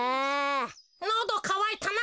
のどかわいたな。